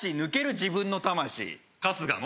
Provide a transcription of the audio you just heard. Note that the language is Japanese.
自分の魂春日の？